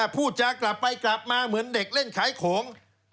พูดจากกลับไปกลับมาเหมือนเด็กเล่นขายของ